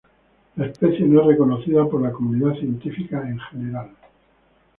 La especie no es reconocida por la comunidad científica en general.